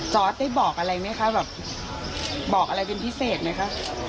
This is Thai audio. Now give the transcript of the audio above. ได้บอกอะไรไหมคะแบบบอกอะไรเป็นพิเศษไหมคะ